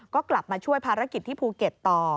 ก็กลับมาช่วยภารกิจที่ภูเก็ตต่อ